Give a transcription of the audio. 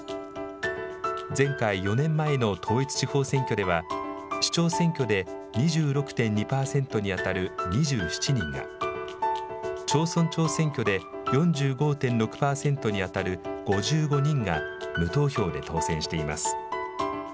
前回・４年前の統一地方選挙では、市長選挙で２６．２％に当たる２７人が、町村長選挙で４５．６％に当たる５５人が、無投票で当選しています。